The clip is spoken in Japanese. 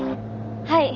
はい。